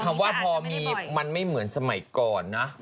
คำว่าพอมีมันไม่เหมือนสมัยก่อนนะ